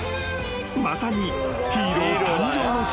まさに］